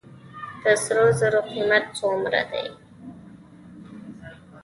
د سرو زرو قیمت څومره دی؟